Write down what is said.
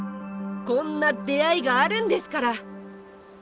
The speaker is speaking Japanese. こんな出会いがあるんですから！